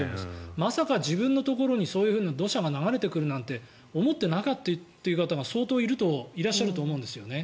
まさか自分のところに流れてくるなんて思ってなかったという人が相当いらっしゃると思うんですよね。